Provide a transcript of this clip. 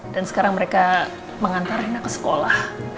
dan sekarang mereka mengantar rena ke sekolah